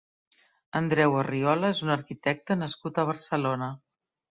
Andreu Arriola és un arquitecte nascut a Barcelona.